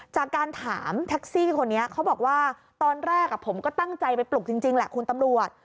จากการถามแท็กซี่คนนี้เขาบอกว่าตอนแรกผมก็ตั้งใจไปปลุกจริงแหละคุณตำรวจ